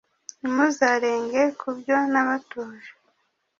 ntimuzarenge ku byo nabatoje